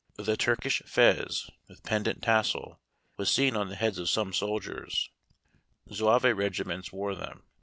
The Turkish fez, with pendent tassel, was seen on the heads of some soldiers. Zouave regiments wore them.